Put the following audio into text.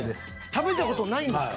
食べた事ないんですか？